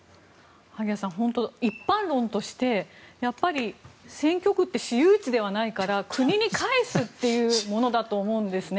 萩谷さん、一般論としてやっぱり選挙区って私有地ではないから国に返すものだと思うんですね。